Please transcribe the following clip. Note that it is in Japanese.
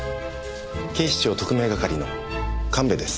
警視庁特命係の神戸です。